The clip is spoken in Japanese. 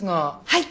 はい！